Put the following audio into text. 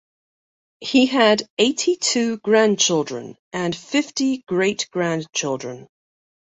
He had eighty-two grandchildren and fifty great grandchildren.